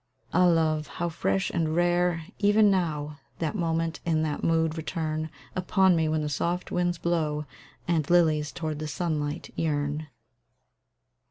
Ah, Love! how fresh and rare, even now, That moment and that mood return Upon me, when the soft winds blow, And lilies toward the sunlight yearn!